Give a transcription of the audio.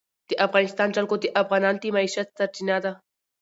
د افغانستان جلکو د افغانانو د معیشت سرچینه ده.